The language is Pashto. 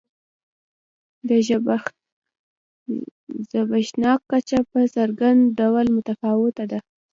د زبېښاک کچه په څرګند ډول متفاوته ده.